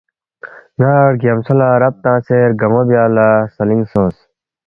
نا ڑگیامژھو لا رب تنگسے رگنو بیا لاسلینگ سونگ